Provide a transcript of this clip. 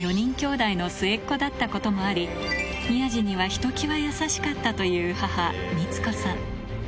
４人きょうだいの末っ子だったこともあり、宮治にはひときわ優しかったという母、光子さん。